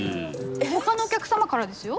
他のお客様からですよ。